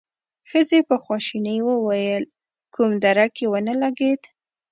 ښځې په خواشينۍ وويل: کوم درک يې ونه لګېد؟